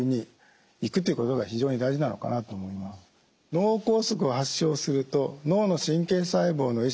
脳梗塞を発症すると脳の神経細胞のえ